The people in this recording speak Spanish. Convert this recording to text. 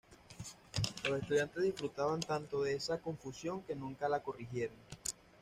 Los estudiantes disfrutaban tanto de esta confusión que nunca la corrigieron.